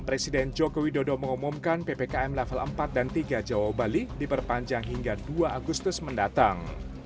presiden joko widodo mengumumkan ppkm level empat dan tiga jawa bali diperpanjang hingga dua agustus mendatang